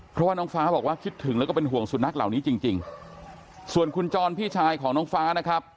เพราะว่าน้องฟ้าบอกว่าคิดถึงแล้วก็เป็นห่วงสุนัขเหล่านี้จริงจริงส่วนคุณจรพี่ชายของน้องฟ้านะครับ